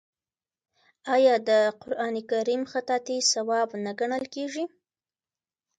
آیا د قران کریم خطاطي ثواب نه ګڼل کیږي؟